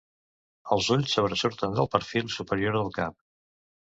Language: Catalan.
Els ulls sobresurten del perfil superior del cap.